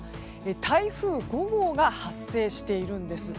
台風５号が発生しているんです。